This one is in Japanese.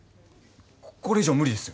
これ以上は無理ですよ。